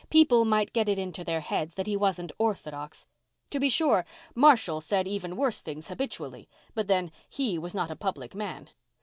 People might get it into their heads that he wasn't orthodox. To be sure, Marshall said even worse things habitually, but then he was not a public man.